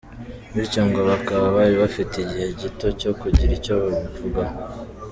Bityo ngo bakaba bari bafite igihe gito cyo kugira icyo babivugaho.